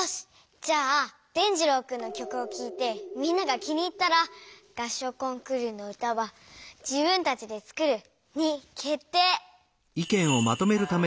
じゃあ伝じろうくんの曲を聴いてみんなが気に入ったら合唱コンクールの歌は「自分たちで作る」にけってい！